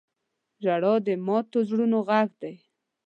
• ژړا د ماتو زړونو غږ دی.